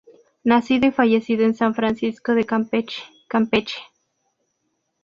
Nacido y fallecido en San Francisco de Campeche, Campeche.